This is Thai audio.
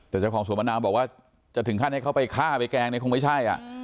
แต่เจ้าของสวนมะนาวบอกว่าจะถึงขั้นให้เขาไปฆ่าไปแกล้งเนี่ยคงไม่ใช่